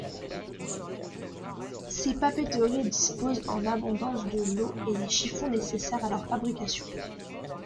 Ces papeteries disposent en abondance de l’eau et des chiffons nécessaires à leur fabrication.